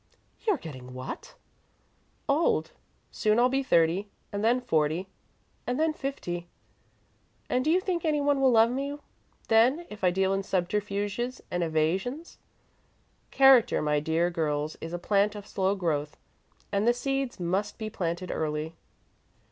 "You're getting what?" "Old. Soon I'll be thirty, and then forty, and then fifty; and do you think any one will love me then if I deal in subterfuges and evasions? Character, my dear girls, is a plant of slow growth, and the seeds must be planted early."